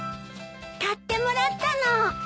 買ってもらったの。